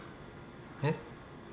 えっ？